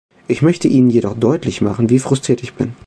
Ich möchte Ihnen jedoch deutlich machen, wie frustriert ich bin.